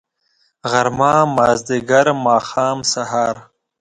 غرمه . مازدیګر . ماښام .. سهار